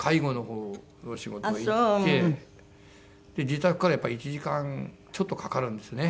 自宅からやっぱ１時間ちょっとかかるんですね。